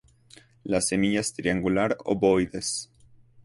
Las semillas triangular obovoides.